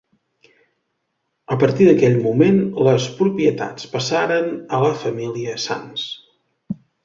A partir d'aquell moment, les propietats passaren a la família Sans.